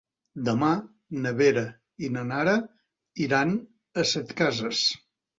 Demà na Vera i na Nara iran a Setcases.